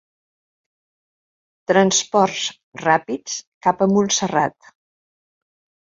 Transports ràpids cap a Montserrat.